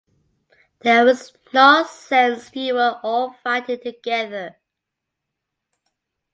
There was no sense you were all fighting together.